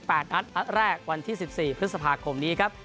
๗๘อัดอัดแรกวันที่๑๔พฤษภาคมนี้ครับ